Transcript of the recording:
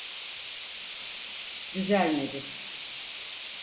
Düzelmedi